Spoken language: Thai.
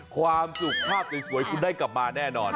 ความสุขภาพสวยคุณได้กลับมาแน่นอน